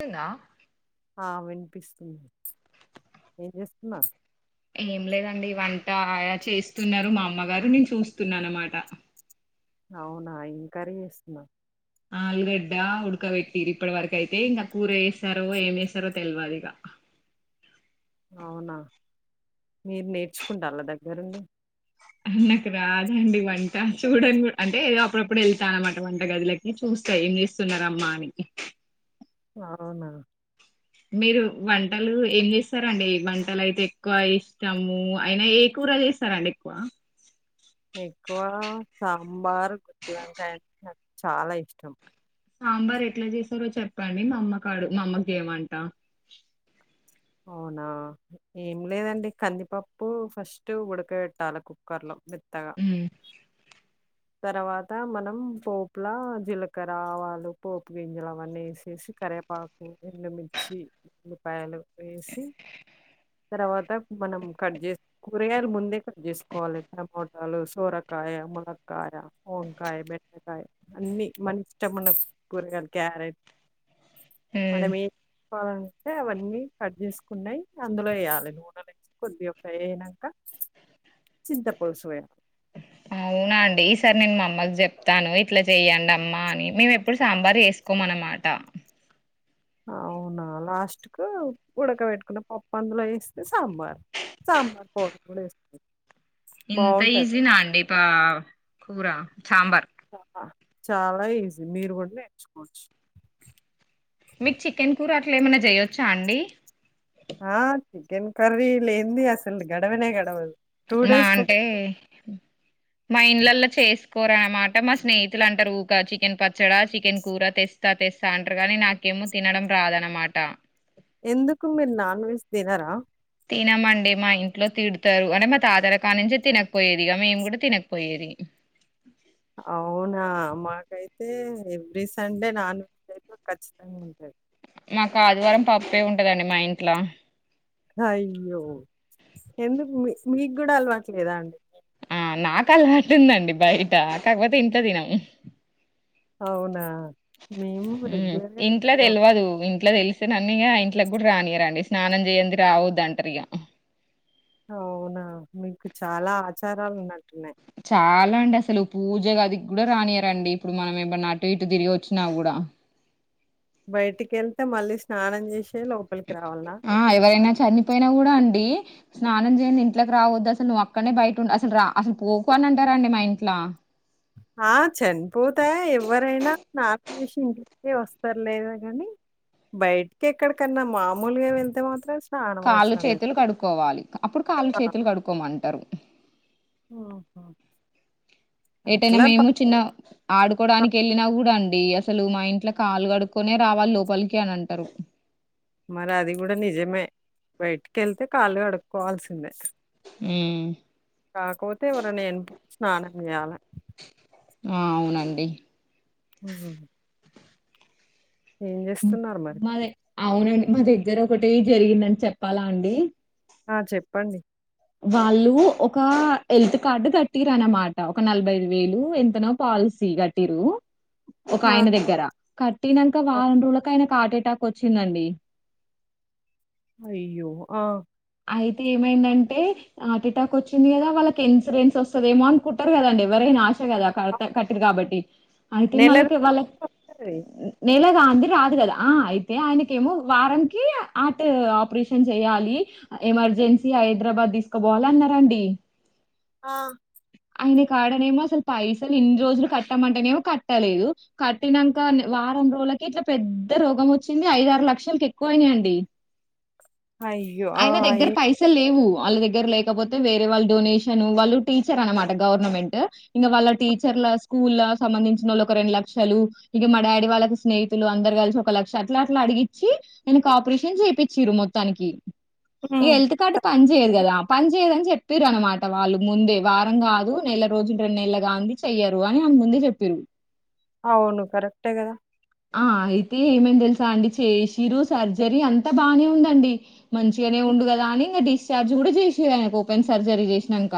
అయిందా ఆ వినిపిస్తుంది, ఏం చేస్తున్నరు. ఏం లేదండి వంటయా చేస్తున్నరు మా అమ్మగారు, నేను చూస్తున్నా అన్నమాట. అవునా ఏం కరీ చేస్తున్నరు. ఆలుగడ్డ ఉడకబెట్టిరు ఇప్పటి వరకు అయితే ఇంకా కూర చేస్తారో, ఏం చేస్తారో తెల్వదు ఇగ. అవునా మీరు నేర్చుకుంటాల్ల దగ్గరుండి. నాకు రాదండి వంట చూడన్ కు అంటే ఏదో అప్పుడప్పుడు వెళ్తా అన్నమాట వంట గదిలకి చూస్తా ఏం చేస్తున్నరు అమ్మా అని. అవునా మీరు వంటలు ఏం చేస్తారండి, వంటలు అయితే ఎక్కువ ఇష్టము అయినా ఏ కూర చేస్తారండి ఎక్కువ. ఎక్కువ సాంబార్, గుత్తివంకాయ అంటే నాకు చాలా ఇష్టం. సాంబార్ ఎట్ల చేసారో చెప్పండి మా అమ్మకడు మా అమ్మకి చేయమంట. అవునా ఏం లేదండి కందిపప్పు ఫస్ట్ ఉడక పెట్టాల కుక్కర్లో మె హుమ్ తర్వాత మనం పోపుల జీలకర్ర, ఆవాలు పోపు గింజలు అవన్నీ వేసేసి కరవేపాకు, ఎండుమిర్చి, ఉల్లిపాయలు వేసి తర్వాత మనం కట్ చేసి కూరగాయలు ముందే కట్ చేసుకోవాలి. టమోటాలు, సోరకాయ ముల కాయ, వంకాయ, బెండకాయ అన్ని మన ఇష్టమున్నా కూరగాయలు క్యారెట్ మనమే ఆ తే అవన్నీ కట్ చేసుకున్నయి అందులో ఎయాలె నూనెల ఏసి కొద్దిగా ఫ్రై అయినంక చింత పులుసు వేయాల. అవునా అండి ఈసారి నేను మా అమ్మకి చెప్తాను ఇట్లా చెయ్యండి అ మ్మా అని మేము ఎప్పుడు సాంబార్ ఎసుకోమన్నమాట. అవునా లాస్ట్కు ఉడకబెట్టుకున్న పప్పు అందులో వేస్తే సాంబార్ సాంబార్ పౌడర్ కూడా వే [inaudible] ఇంత ఈజీ నా అండి పా కూరా సాంబార్ చాలా ఈజీ మీరు కూడా నేర్చుకోవచ్చు. మీకు చికెన్ కూర అట్లా ఏమన్నా చేయొచ్చా అండి. ఆ చికెన్ కర్రీ లేనిది అసల్ గడవనే గడవదు. మా డేస్‌కొ అంటే మా ఇళ్లలో చేసుకోరా అనమాట మా స్నేహితులు అంటరు ఊకా చికెన్ పచ్చడా, చికెన్ కూర తెస్తా తెస్తా అంటారు కానీ నాకేమో తినడం రాదనమాట. ఎందుకు మీరు నాన్ వెజ్ తినరా. తినమండి మా ఇంట్లో తిడతారు అంటే మా తాతల కాలం నుంచే తినకపోయేదిగా మేము కూడా తినకపోయేది అవునా మాకైతే ఎవ్రీ సండే నాన్ వెజ్ అయితే ఖచ్చితంగా ఉంటుది మాకు ఆదివారం పప్పె ఉంటదండి మా ఇంట్లో అయ్యో ఎందుకు మీ మీకు కూడా అలవాట్లేదా అండి ఆ నాకు అలవాటుందండి బయట కాకపోతే ఇంట్లో తినం అవునా మేము రెగ్యులర్‌గా ఇంట్లో తినే వాళ్ళం. తెలివదు ఇం ఇంట్లో తెలిస్తే నన్ను ఇగ ఇంట్లోకి కూడా రానియారండి స్నానం చేయ్యంది రావదు అంటారు ఇగా అవునా మీకు చాలా ఆచారాలు ఉన్నట్టున్నాయి చాలా అండి అసలు పూజగది కి కూడా రానియారండి ఇప్పుడు మనం ఏమన్నాటు ఇటు తిరిగి వచ్చిన కూడా బయటికి వెళ్తే మళ్ళీ స్నానం చేసి చ్ లోపలికి రావాలా పోయినా కూడా అండి స్నానం చేసి ఇంట్లోకి రావద్దు అసలు నువ్వు అక్కడనే బయట ఉండు అసలు రా అసలు పోకు అని అంటారండి మా ఇంట్లో ఆ చనిపోతే ఎవ్వరైనా స్నానం చేసి ఇంటికి వస్తారులే కాని బయటికి ఎక్కడికన్నా మామూలుగా వెళ్తే మాత్రం స్నానం కాళ్ళు, అవసరం లేదు. చేతులు కడుక్కోవాలి అప్పుడు కాళ్ళు చేతులు కడుక్కోమంటారు ఆహా ఎటైనా అట్లా పక్క మేము చిన్న ఆడుకోడానికి వెళ్ళిన కూడా అండి డి అసలు మా ఇంట్లో కాలు కడుక్కొనే రావాలి లోపలికి అని అంటారు మరి అది కూడా నిజమే బయటికి వెళ్తే కాళ్ళు కడుక్కోవాల్సిందే కాకపోతే ఎవరన్న స్నా అవాల ఆ అవునండి మ్ హు మరి మాదే అవునండి మా దగ్గర ఒకటే జరిగిందని చెప్పాలా అండి ఆ చెప్పండి వాళ్ళు ఒక హెల్త్ కార్డు కట్టిరు అనమాట ఒక నలభై ఐదు వేలు ఎంతనో పాలసీ కట్టిరు ఒక ఆ ఆయన దగ్గర కట్టినాక ఆ! వారం రోజులకి ఆయనకి హార్టెటాక్ వచ్చిందండి అయ్యో ఆ అయితే ఏమైందంటే హార్టెటాక్ వచ్చింది కదా వాళ్ళ ఇన్సూరెన్స్ వస్తుందేమో అనుకుంటారు కదండి ఎవరైనా ఆశ కదా కరెక్ట్ ఏ కదా కట్టిరు కాబట్టి అయితే నెల మళ్ళకి రోజులైతే వాళ్ళకి వస్తది నెలగల అది రాదు కదా ఆ అయితే ఆయనక ఏమో వారంకి హార్ట్ ఆపరేషన్ చేయాలి ఎమర్జెన్సీ హైదరాబాద్ తీసుకుపోవాలన్నారండి ఆ ఆయన కాడనేమో అసలు పైసలు ఇన్ని రోజులు కట్టమంటేనేమో కట్టలేదు కట్టినాక వారం రోజులకే ఇట్లా పెద్ద రోగం వచ్చింది ఐద ఆరు లక్షలకి ఎక్కువయినాండి అయ్యో ఆ ఆయన దగ్గర ఏ పైసలు లేవు వాళ్ళ దగ్గర లేకపోతే వేరే వాళ్ళ డొనేషన్ వాళ్ళు టీచర్ అనమాట గవర్నమెంట్ ఇగ వాళ్ళ టీచర్ల స్కూల్లా సంబంధిచినోళ్లు ఒక రెండు లక్షలు ఇగ మా డాడీ వాళ్ళకి స్నేహితులు అందరు కలిసి ఒక లక్ష అట్లా అట్లా అడిగిచి ఇంకా కాపరేషన్ చేపించిరు మొత్తానికి ఇగ హ్మ్. హెల్త్ కార్డు పని చేయదు కదా పని చేయదు అన్ని చెప్ చేపిన్ర్ అనమాట వాళ్ళుగ్ ముందే వారం కాదు నెల రోజులు రెండు నెల గాంది చెయ్యరు. అని ఆమె ముందే చేపింరు అవును కరెక్టే కదా ఆ అయితే ఏమైది తెలుసా అండి చేసిరు సర్జరీ అంతా బానే ఉందండి, మంచిగానే ఉండు కదా అని ఇగ డిశ్చార్జ్ కూడా చేసిరు ఆయనకు ఓపెన్ సర్జరీ చేసినాక,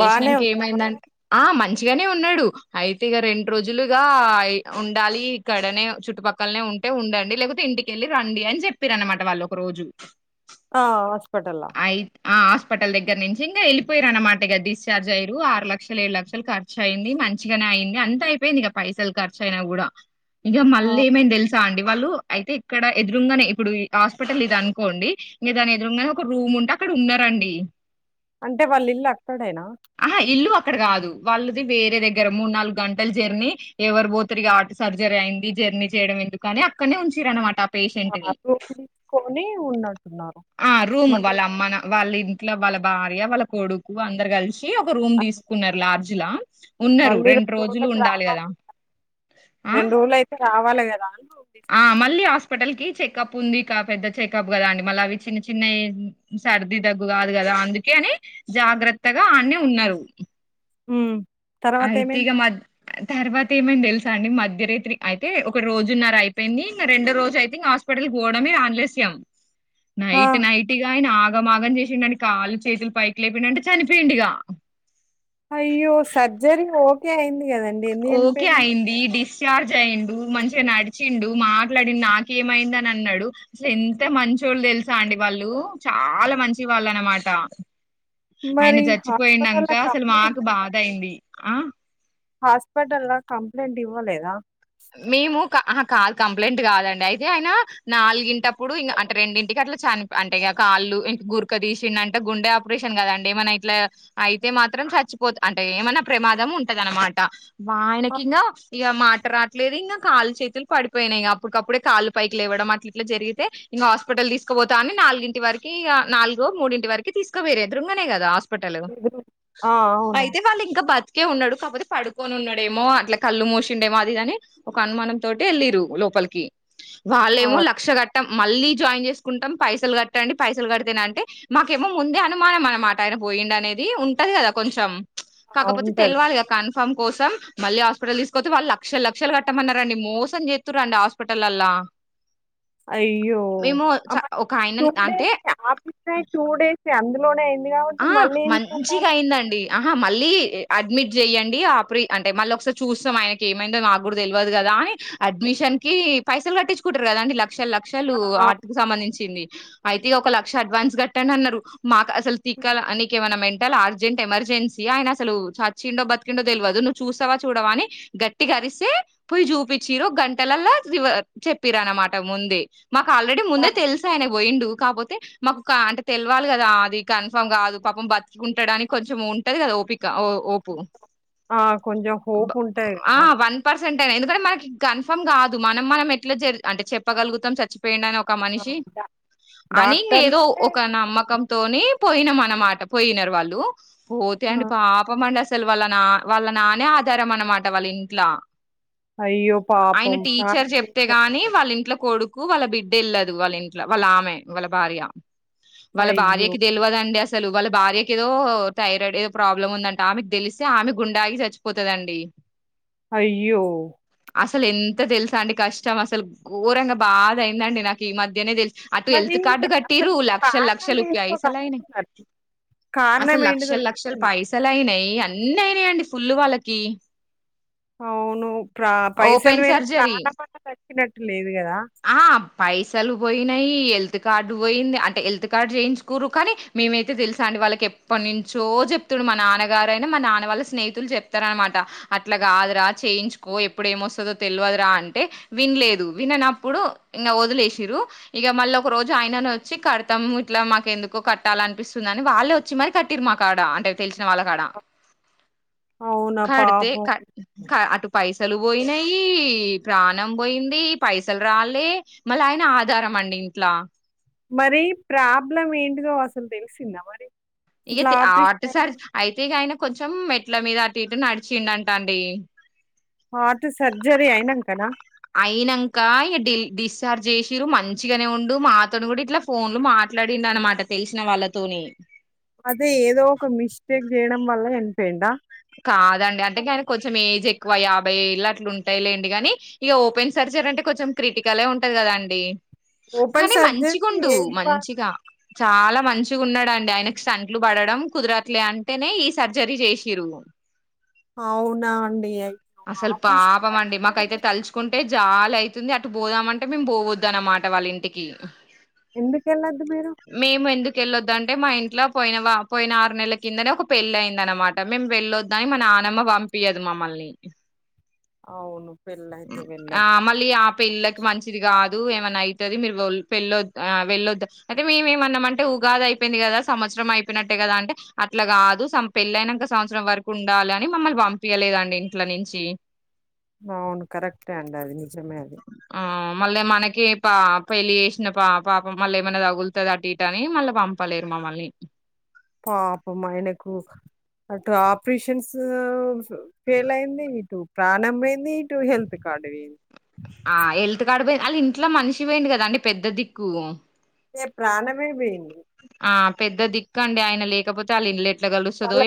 బానే ఉందా మరి? ఏమైందంటే ఆ మన్చ్ మంచిగానే ఉన్నాడు అయితే ఇగ రెండు రోజులు ఇగ ఉండాలి ఇక్కడనే చుట్టుపక్కలనే ఉంటే ఉండండి లేకపోతే ఇంటికెళ్ళి రండి అని చెప్పిర్రు అనమాట వాళ్ళు ఒక రోజు ఆ హాస్పెటల్లా అయి ఆ హాస్పిటల్ దగ్గర నుంచిన్దే వెళ్ళిపోయారు అన్నమాట ఇక డిచార్జ్ అయ్యారు. ఆరు లక్షలు ఏడు లక్షలు ఖర్చఅయింది మంచిగానే అయింది అంత అయింది ఇగా పైసల్ ఖర్చు అయినా కూడా ఇగ మళ్ళీ ఏమైది తెలుస తా అండి వాళ్ళు అయితే ఇక్కడ ఎదురుంగానే ఇప్పుడు హాస్పిటల్ ఇది అనుకోండి ఇగ దాని ఎదురుంగానే ఒక రూమ్ ఉంటే అక్కడ ఉన్నారండి అంటే వాళ్ళ ఇల్లు అక్కడేనా ఇల్లు అక్కడ కాదు వాళ్ళది వేరే దగ్గర మూడు నాలుగు గంటల జర్నీ ఎవరు బోతిరిగా ఆట్ సర్జరీ అయింది జర్నీ చేయడం ఎందుకుని అక్కడనే ఉంచిరు అనమాట ఆ పేషంటీని రూమ్ తీసుకొని ఉన్నట్టున్నారు ఆ రూమ్ మళ్ళీ వాళ్ళ అమ్మనా వాళ్ళ ఇట్లా వాళ్ళ భార్య వాళ్ళ కొడుకు అందరు కల్సి ఈ ఒక రూమ్ అది దీసుకున్నారు లార్జ్ జిలా మళ్ళీ రెండు రోజులకి రావాలి ఆ రెండు రోజులు అయితే రావాలి గదా ఆ మల్లి హాస్పిటల్కి చెకప్ ఉంది క పెద్ద చెకప్ కదా అండి మళ్ళీ అవి చిన్న చిన్న సర్ది తగ్గు కాదు కదా అందుకే అని జాగ్రత్తగా ఆన్నే ఉన్నారు హ్మ్ అయితిగా మద్ తర్వాత ఏమైంది తెలుసా అండి మధ్యరేత్రి అయితే ఒక రోజున్నర అయిపోయింది ఇంగ రెండో రోజు అయితే ఇంకా హాస్పిటల్కి పోవడంమే ఆన్లస్యం ఆ నైట్ నైట్ ఇగా అయన ఆ గ మాగం చేసిండండి అని కాళ్లు చేతులు పైకి లేపిండంట అంటే చనిపోయింది ఇక. జరి ఓకే అయి ఓకే అయింది డిస్ చర్జ్ అయిండు మంచిగా నడిచిండు మాట్లాడి నాకేమైంద అని అన్నాడు అసలు ఎంత మంచొళ్ళు తెలుసా అండి వాళ్ళు చాలా మంచి వాళ్ళు అనమాట. ఆయన మరి చ హాస్పిటల్లో కంప్లైంట్ హాస్పిటల్ లో కంప్లైంట్ ఇవ్వలేదా మేము ఆ కాదు కంప్లైంట్ కాదండి అయితే ఆయన నాలుగింటప్పుడు ఇం అంటే రెండింటికి అట్లా చనిపో అంటే ఇంక కాళ్ళు ఇం గురక తీసిండ అంటే గుండె ఆపరేషన్ కదండి ఏ మనా ఇట్లా అయితే మాత్రం చచ్చిపోతు అంటే ఏమన్నా ప్రమాదం ఉంటదనమాట. మా ఆయన ఆ, ఇగ మా రా లేదు ఇగ కాళ్ళు చేతులు పడిపోయినాయి ఇక అప్పుటికప్పుడే కాళ్లు పైకి లేవ్వడం అట్ల ఇట్లా జరిగితే ఇంకా హాస్పిటల్ తీసుకపోతా అని నాలుగింటి వరకిక నాలుగు మూడింటి వరకు తీసుకోవేరే ఎదురుంగనే కదా. పట్టాల గో ఇది- ఆ, అవును అయితే వాళ్ళు ఇంకా బత్ కే ఉన్నాడు కాకపోతే పడుకొని ఉన్నాడేమో అట్లా కళ్లు మూసిండేమో అది కని ఒక అనుమానం తోటి ఎళ్ళిరు లోపలికి ఆ, వాళ్ళేమో లక్షగట్టం మళ్ళీ జాయిన్ చేసుకుంటాం పైసలు కట్టండి పైసలు కడితేన అంటే మాకేమో ముందే అనుమానం అన మాట ఆయన పోయిండి అనేది ఉంటది కదా కొంచం ఆ! కాకపోతే ఉంటది తెలవాలిగా కన్ఫామ్ కోసం మళ్ళి హాస్పిటల్ తీసుకపోతే వాళ్ళ లక్షలు లక్ష క్షలు కట్టమన్నారండి మోసం చేతురండి హాస్పిటల్ లల్లా అయ్యో అ మరి టు ఆయన అంటే డేస్ ఆపరేషన్ అయినా టు డేస్ సి అందులోనే ఐ ఆ మంచిగా అయిందండి ఆహా మళ్ళీ అడ్మిట్ జెయ్యండి ఆ ప్రీ అంటే మళ్ళ ఒకసారి చూస్తాం ఆయనకి ఏమైందో నాకు కూడా తెలవదు కదా అని అడ్మిషన్ కి పైసలు కట్టించుకుంటారు కదా అండి ల లక్షలు లక్షలు ఆ, హార్ట్ అవును. కు సంబంధించింది అయితే ఒక లక్ష అడ్వాన్స్ కట్టండి అన్నారు మాకు అసల్ కాల అనికే వాళ్ళ మే టల అర్జెంట్ ఎమర్జెన్సీ ఆయన అసలు చచ్చిండో బతికిండో తెలియదు నువ్వు చూస్తావా చూడవా అని గట్టి కరిస్తే పోయి చూపచ్చిరు ఒక గంటలలా చెప్పిర అనమాట ముందే మాకు ఆల్రెడీ ఆ, ముందే తెలుసు ఆయన పోయిండు కాపోతే తె మాకు అంటే తెలివాలి కదా అది క ఫం కాదు పాపం బతికు ఉంటడానికి కొంచెం ఉంటంది కద ఒపి క ఆ హోప్ ఆ కొంచెం హోప్ ఉంటది ఆ కదా వన్ పర్సెంట్ ఎందుకు అంటే మనకి కన్ఫర్మ్ కాదు మనం మనం ఎట్లా జరి అంటే చెప్పగలుగుతాం చచ్చి పెండి అని ఒక మనిషి అని ఏదో డాక్టర్లకే ఒక నమ్మకంతోని పోయిన మనమాట పోయినరు వాళ్ళు పోతే అండి పాపం అండి అస్ అసలు వాళ్ళ నా న్నాన్నే ఆధారం అన్నమాట వాళ్ళ ఇంట్లా అయ్యో ఆయన పాపం ప్రాణం టీచర్ చెప్తే గాని పోయిందండి. వాళ్ళ ఇంట్లో కొడు కు వాళ్ళ బిడ్డ ఏళ్ళదు వాళ్ళ ఇంట్లో వాళ్ళ ఆమె వాళ్ళ భార్య అయ్యో అండి అసలు వాళ్ళ భార్యకి ఏదో థైరాయిడ్ ఏదో ప్రాబ్లమ్ ఉందంటే ఆమెకి తెలిస్తే ఆమె గుండా ఆగి చచ్చిపోతదండి అయ్యో అసలు ఎంత తెలుస అండి కష్టం అసలు ఘోరంగా బాధ అయ్యిందండి నాకు ఈ మధ్యనే తెలుసు అటు మరి ఎల్త్ కార్డు కట్టిరు అసలు లక్ష లులక్ష కారణం లు కి ఏంటో కనుక్కున్నారా కారణం అసలు ఏంటిదో లక్షలులక్షలు తెలిసిందా పైసలు అయినయ్ ఇ అన్నీ అయినాయండి ఫుల్లు వాళ్ళకి అవును ప్ర ఓపెన్ పైసలుపోయినా సర్జరీ. ప్రాణం అన్నా దక్కినట్టు లేదు కదా హల్త్ కార్డ్ పోయింది అంటే హెల్త్ కార్డ్ చేయించు కూరు కాని మేమైతే తెలుసా అండి వాళ్ళకి ఎప్పటినుంచో చెప్తుడు మా నాన్నగారయినా మా నాన్న వాళ్ళ స్నేహితులు చెప్తారనమాట అట్లా కాదురా చేయించుకో ఎప్పుడు ఏమొస్తుందో తేల్వధుర అంటే వినలేదు విననప్పుడు ఇంక వదిలేసిరు ఇక మళ్ళీ ఒక రోజు ఆయన వచ్చి కడతం ఇట్లా మా ఎందుకో కట్టాలనిపిస్తుందిని వాళ్ళే వచ్చి మరి కట్టిరు మా కాడ అంటే తెలిసిన వాళ్ళ కాడ అవునా కడతే పాపం అటు పైస అసలు పోయినాయి ప్రాణం పోయింది పైసలు రాలే మళ్ళీ ఆయన ఆధారం అండి ఇంట్లా మరి ప్రాబ్లం ఏంటిదో అసలు తెలిసిందా మరి ఇక ఇట్లా ఆపరేషన్ అయినా అటుసారి అయితే ఇక ఆయన కొంచెం మెట్ల మీద అటు ఇటు [unintelligible] అండి హార్ట్ సర్జరీ అయినంకన అయినాంక ఇ డి డిశ్చార్జ్ చేసిరు మంచిగానే ఉండు మాతో కూడా ఇట్లా ఫోన్లు మాట్లాడిండడు అనమాట తెలిసిన వాళ్ళతోని అదే ఏదో ఒక మిస్టేక్ చేయడం వల్ల చనిపోయిండ కాదండి అంటే గాయనకి కొంచెం ఏజ్ ఎక్ యాభై ఏళ్ళు అట్లు ఉంటాయిలేండి కాని ఇక ఓపెన్ సర్జరీ అంటే కొంచెం క్రిటికలే ఉంటది కదా అండి ఓపెన్ సర్జరి ఏ మంచిగా చాలా మంచిగా ఉన్నాడండి ఆయనకి స్టంట్లు పడడం కుదరట్లే అంటేనే ఈ సర్జరీ చేసిరు అవునా అండి అయ్యో అసలు ఆపరేషన్ పాపం అండి మాకైతే పట్టుకు తలుచుకుంటే చాలా అయితుంది అటు పోదామంటే మేము పోవద్దానమాట వాళ్ళ ఇంటికి ఎందుకు వెళ్ళొద్దు మీరు ఏళ్ళొద్దు అంటే మా ఇంట్లో పోయి పోయిన ఆరు నెల కిందనే ఒక పెళ్ళి అయింది అనమాట మేము వెళ్ళొద్దు అని మన నానమ్మ పంపియదు మమ్మల్ని ఇ అవును పెళ్ళయితే ఆ వెళ్ళదు మళ్ళ పెళ్ళకి మంచిది కాదు ఏమైన్నా అవుతుది మీరు పెళ్ళొద్ ఆ వెళ్ళొద్దు అయితే మేము ఏమన్నా అంటే ఉగాది అయిపోయింది కదా సంవత్సరం అయిపోయినట్టే కదా అంటే అట్లా కాదు సం పెళ్ళయినా ఇంక సంవత్సరం వరకు ఉండాలి అని మమ్మల్ని పంపయలేదండి ఇంట్ల నుంచి అవును కరెక్టే అండి అది నిజమే అది ఆ మళ్ళీ మనకి పా పెళ్ళి చేసిన పా పాపం మళ్ళ ఏమైనా తగులతోంది అటు ఇట అని మళ్ళీ పంపలేరు మమ్మల్ని పాప మా ఆయనకు అటు ఆపరేషన్స్ ఫెయిల్ అయింది ఇటు ప్రాారంభంమయింది ఇటు హెల్త్ కార్డు వ్యంది ఆ హెల్త్ కార్డ్ పోయింది అళ ఇంట్లో మనిషి పోయింది కదా అండి పెద్ద దిక్కు అే ప్రాణమే పోయింది ఆ పెద్ద దిక్కు అండి ఆయన లేకపోతే వాళ్ ఇనలేట్ వాళ్ళ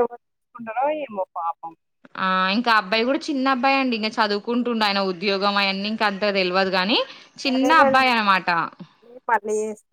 ఎవరు తీసుకుంటారో ఏమో పాపం ఇక అబ్బాయి కూడా చిన్న అబ్బాయి అండి ఇంకా చదువుకుంటుండడు ఆయన ఉద్యోగం అవీ ఇంక అంత తెలియదు కాని చిన్న అబ్బా అన మాటం ప్లీస్ ప